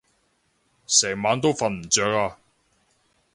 成晚都瞓唔著啊